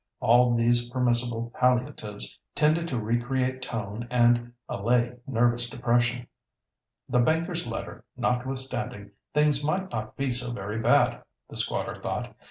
All these permissible palliatives tended to recreate tone and allay nervous depression. "The banker's letter notwithstanding, things might not be so very bad," the squatter thought.